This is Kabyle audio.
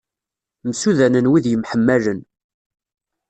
Msudanen wid yemḥemmalen.